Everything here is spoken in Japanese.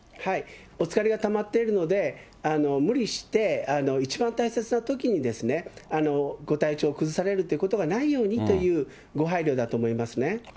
お疲れがたまっているので、無理して一番大切なときにご体調を崩されるということがないようにというご配慮だと思いますね。